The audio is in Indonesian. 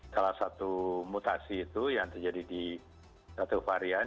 salah satu mutasi itu yang terjadi di satu varian